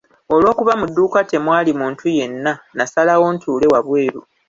Olw'okuba nga mu dduuka temwali muntu yenna nasala ntuule wabweru.